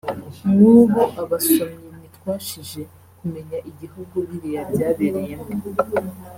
Nk’ ubu abasomyi ntitwashije kumenya igihugu biriya byabereyemo